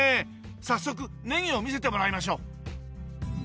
早速ネギを見せてもらいましょう。